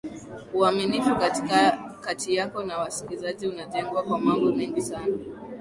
uaminifu kati yako na wasikizaji unajengwa kwa mambo mengi sana